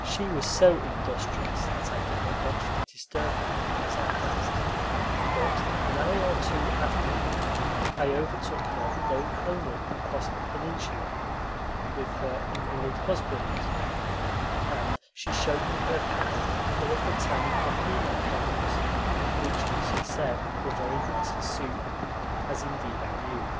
She was so industrious that I did not venture to disturb her, as I passed; but an hour or two afterward I overtook her going homeward across the peninsula with her invalid husband, and she showed me her pail full of the tiny coquina clams, which she said were very nice for soup, as indeed I knew.